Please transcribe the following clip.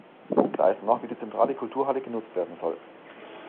Unklar ist noch, wie die zentrale Kulturhalle genutzt werden soll.